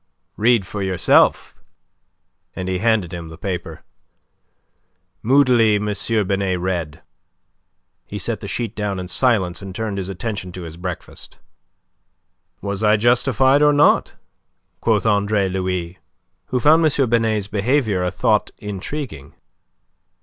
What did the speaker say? "Read for yourself." And he handed him the paper. Moodily M. Binet read. He set the sheet down in silence, and turned his attention to his breakfast. "Was I justified or not?" quoth Andre Louis, who found M. Binet's behaviour a thought intriguing.